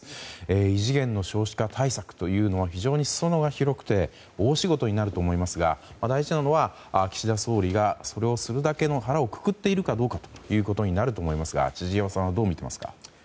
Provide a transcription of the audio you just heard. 異次元の少子化対策というのは非常に裾野が広くて大仕事になると思いますが大事なのは岸田総理がそれをするだけの腹をくくっているかどうかになると思いますが千々岩さんはどうみていますか？